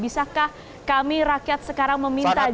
bisakah kami rakyat sekarang meminta